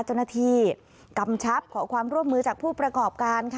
กำชับขอความร่วมมือจากผู้ประกอบการค่ะ